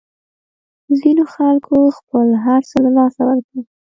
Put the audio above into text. ځینو خلکو خپل هرڅه له لاسه ورکړل.